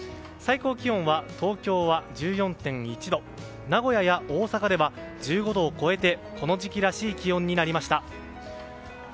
最高気温は東京は１４．１度名古屋や大阪では１５度を超えてこの時期らしい気温になりました。